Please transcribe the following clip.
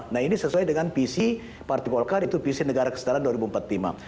nah ini sesuai dengan visi partai golkar itu visi negara kesetaraan dua ribu empat puluh lima